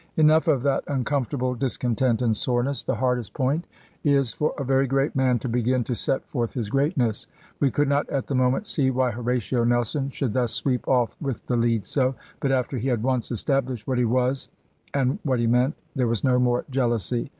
Enough of that uncomfortable discontent and soreness. The hardest point is for a very great man to begin to set forth his greatness. We could not, at the moment, see why Horatio Nelson should thus sweep off with the lead so. But after he had once established what he was, and what he meant, there was no more jealousy.